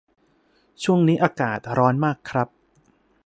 ช่วงนี้อากาศร้อนมากครับ